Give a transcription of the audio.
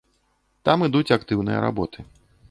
Там ідуць актыўныя работы.